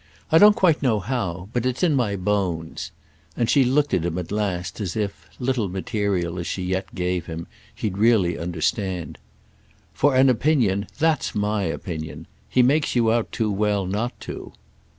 I don't quite know how—but it's in my bones." And she looked at him at last as if, little material as she yet gave him, he'd really understand. "For an opinion that's my opinion. He makes you out too well not to."